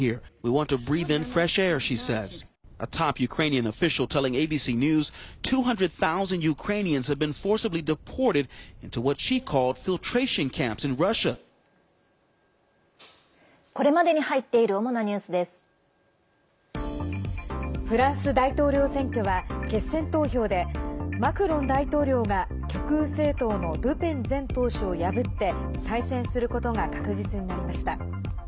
フランス大統領選挙は決選投票でマクロン大統領が極右政党のルペン前党首を破って再選することが確実になりました。